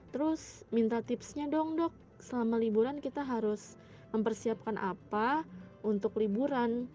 terus minta tipsnya dong dok selama liburan kita harus mempersiapkan apa untuk liburan